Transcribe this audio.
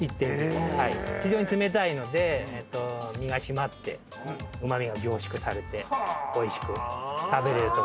非常に冷たいので身が締まってうま味が凝縮されておいしく食べれると思います。